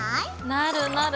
なるなる